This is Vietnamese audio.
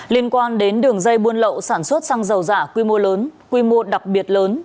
liên quan đến đường dây buôn lậu sản xuất xăng dầu giả quy mô lớn quy mô đặc biệt lớn